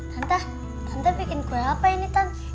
tante tante bikin kue apa ini tante